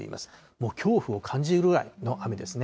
もう恐怖を感じるぐらいの雨ですね。